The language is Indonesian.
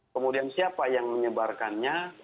kemudian siapa yang menyebarkannya